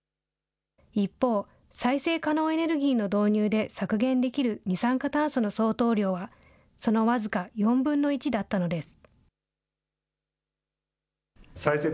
一方、再生可能エネルギーの導入で削減できる二酸化炭素の相当量は、その僅か４分の１だったのです。